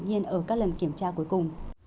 tuy nhiên ở các lần kiểm tra cuối cùng